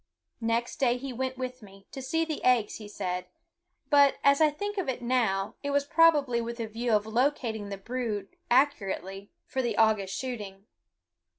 Next day he went with me, to see the eggs, he said; but, as I think of it now, it was probably with a view of locating the brood accurately for the August shooting.